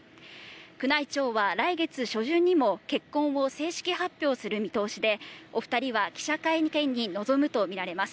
宮内庁は来月初旬にも結婚を正式発表する見通しで、お２人は記者会見に臨むとみられます。